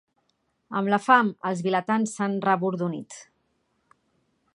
Amb la fam, els vilatans s'han rebordonit.